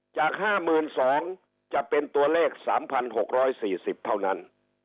จาก๕๒๐๐จะเป็นตัวเลข๓๖๔๐เท่านั้น